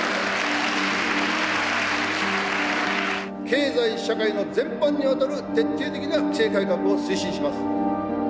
経済社会の全般にわたる徹底的な規制改革を推進します。